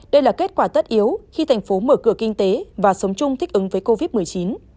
đây là kết quả tất yếu khi thành phố mở cửa kinh tế và sống chung thích ứng với covid một mươi chín